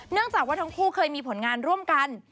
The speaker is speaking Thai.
จากว่าทั้งคู่เคยมีผลงานร่วมกัน